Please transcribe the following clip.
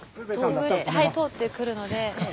はい通ってくるので。